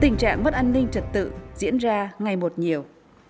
tình trạng mất an ninh trật tự diễn ra ngày một nhiều